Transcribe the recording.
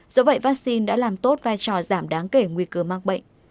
do vậy vaccine đã làm tốt vai trò giảm đáng kể nguy cơ mắc bệnh